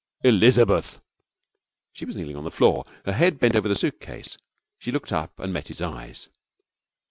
'Elizabeth!' She was kneeling on the floor, her head bent over the suitcase. She looked up and met his eyes.